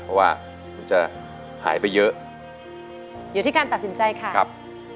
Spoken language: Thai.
เพราะว่ามันจะหายไปเยอะอยู่ที่การตัดสินใจค่ะครับ